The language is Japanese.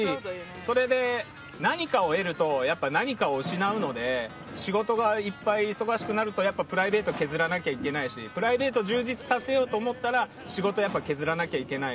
それで、何かを得ると何かを失うので、仕事がいっぱい忙しくなるとプライベートは削らないといけないしプライベートを充実させようと思ったら仕事を削らないといけない。